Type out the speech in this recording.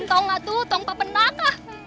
tau gak tuh tungpa penang